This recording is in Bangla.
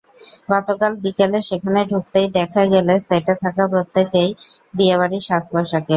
গতকাল বিকেলে সেখানে ঢুকতেই দেখা গেল সেটে থাকা প্রত্যেকেই বিয়েবাড়ির সাজপোশাকে।